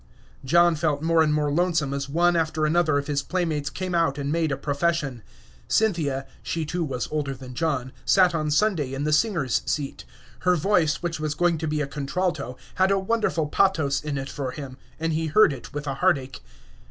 John felt more and more lonesome as one after another of his playmates came out and made a profession. Cynthia (she too was older than John) sat on Sunday in the singers' seat; her voice, which was going to be a contralto, had a wonderful pathos in it for him, and he heard it with a heartache.